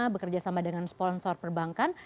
bekerja sama dengan sponsor perbankan